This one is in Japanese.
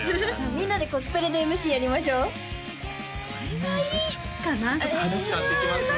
みんなでコスプレでＭＣやりましょうそれはいいかなちょっと話変わってきます